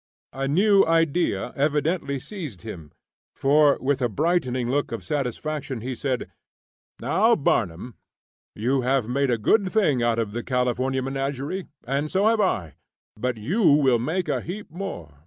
A new idea evidently seized him, for, with a brightening look of satisfaction, he said: "Now, Barnum, you have made a good thing out of the California menagerie, and so have I; but you will make a heap more.